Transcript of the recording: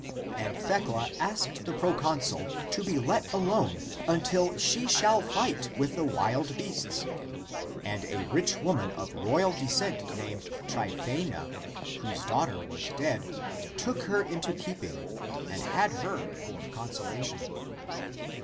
And Thecla^* asked the proconsul to be let alone until she shall fight with the wild beasts. And a rich woman [of royal descent] ^' named Tryphaena, whose daughter ^^ was dead, took her into keeping and had her for a consolation.